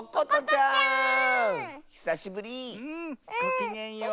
ひさしぶり。ごきげんよう。